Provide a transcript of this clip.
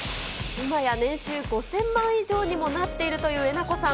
今や年収５０００万以上にもなっているというえなこさん。